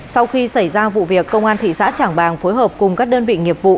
sau khi xảy ra vụ việc công an thị xã trảng bàng phối hợp cùng các đơn vị nghiệp vụ